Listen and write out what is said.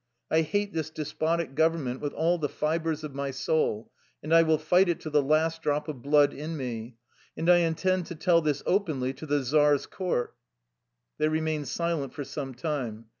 I hate this despotic government with all the fibers of my soul, and I will fight it to the last drop of blood in me. And I intend to tell this openly to the czar's court." They remained silent for some time.